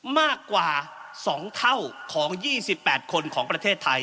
มากกว่า๒เท่าของ๒๘คนของประเทศไทย